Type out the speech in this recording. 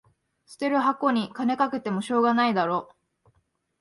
捨てる箱に金かけてもしょうがないだろ